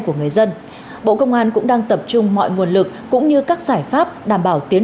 của người dân bộ công an cũng đang tập trung mọi nguồn lực cũng như các giải pháp đảm bảo tiến